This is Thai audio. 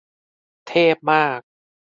เทพมาก